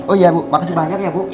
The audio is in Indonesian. oh ya bu makasih banyak ya bu